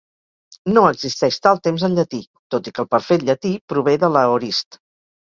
No existeix tal temps en llatí, tot i que el perfet llatí prové de l'aorist.